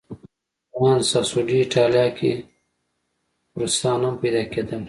په ګران ساسو ډي ایټالیا کې خرسان هم پیدا کېدل.